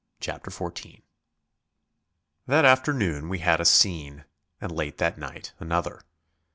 CHAPTER FOURTEEN That afternoon we had a scene, and late that night another.